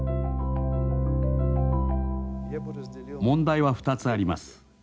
問題は２つあります。